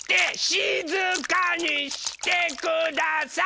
しずかにしてください！